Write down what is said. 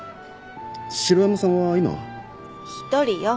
城山さんは今は？独りよ。